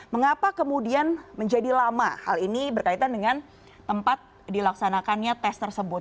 mengapa kemudian menjadi lama hal ini berkaitan dengan tempat dilaksanakannya tes tersebut